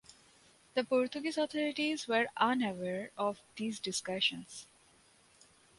The Portuguese authorities were unaware of these discussions.